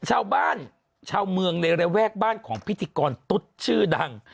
ชาวบ้านชาวเมืองในระแวกบ้านของพิธีกรตุ๊ดชื่อดัง